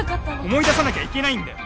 思い出さなきゃいけないんだよ！